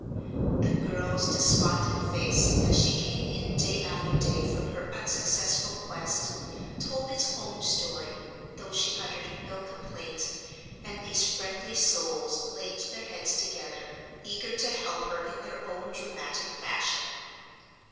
The girl's despondent face, as she came in day after day from her unsuccessful quest, told its own story, though she uttered no complaint, and these friendly souls laid their heads together, eager to help her in their own dramatic fashion.